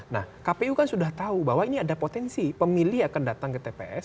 nah kpu kan sudah tahu bahwa ini ada potensi pemilih yang akan datang ke tps